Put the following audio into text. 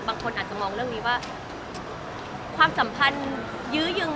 บางคนอาจจะมองเรื่องนี้ว่าความสัมพันธ์ยื้อยุง